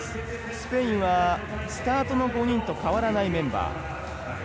スペインはスタートの４人と変わらないメンバー。